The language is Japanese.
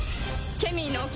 ケミーの掟。